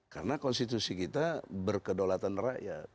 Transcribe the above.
karena konstitusi kita berkedolatan rakyat